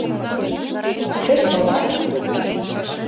— Кушеч толат?